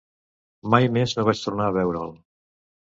Mai més no vaig tornar a veure'l.